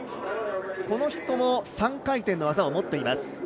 この人も、３回転の技を持っています。